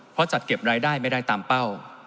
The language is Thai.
เพราะจัดเก็บรายได้ไม่ได้ตามเป้า